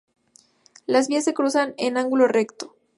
Las vías se cruzan en ángulo recto.